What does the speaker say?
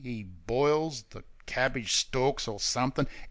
('E boils The cabbitch storks or somethink.)